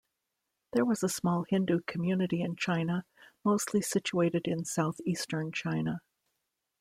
There was a small Hindu community in China, mostly situated in southeastern China.